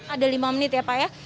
ada lima menit ya pak ya